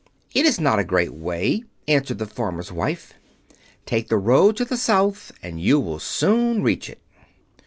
"It is not a great way," answered the farmer's wife. "Take the road to the South and you will soon reach it."